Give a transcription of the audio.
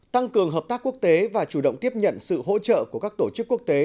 tăng cường hợp tác quốc tế và chủ động tiếp nhận sự hỗ trợ của các tổ chức quốc tế